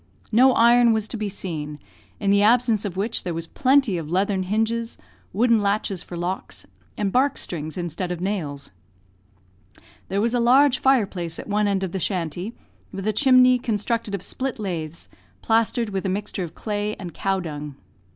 No iron was to be seen, in the absence of which there was plenty of leathern hinges, wooden latches for locks, and bark strings instead of nails. There was a large fireplace at one end of the shanty, with a chimney, constructed of split laths, plastered with a mixture of clay and cowdung.